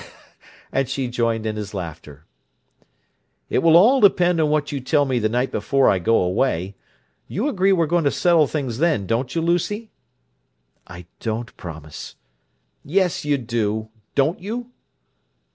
And she joined in his laughter. "It will all depend on what you tell me the night before I go away. You agree we're going to settle things then, don't you, Lucy?" "I don't promise." "Yes, you do! Don't you?"